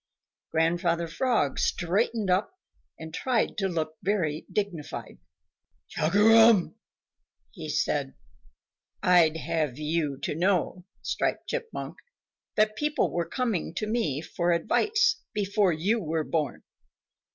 Grandfather Frog straightened up and tried to look very dignified. "Chugarum!" said he, "I'd have you to know, Striped Chipmunk, that people were coming to me for advice before you were born.